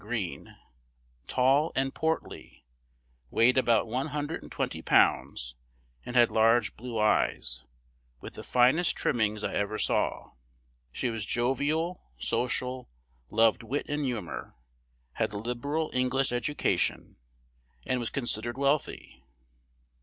Greene, "tall and portly; weighed about one hundred and twenty pounds, and had large blue eyes, with the finest trimmings I ever saw. She was jovial, social, loved wit and humor, had a liberal English education, and was considered wealthy.